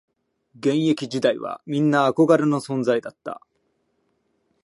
現役時代はみんな憧れの存在だった